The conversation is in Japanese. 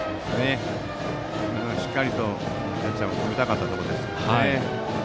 今のはしっかりキャッチャーも止めたかったところですね。